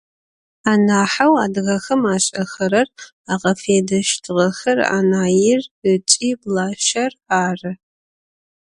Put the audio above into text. Анахьэу адыгэхэм ашӏэхэрэр, агъэфедэщтыгъэхэр анаир ыкӏи блащэр ары.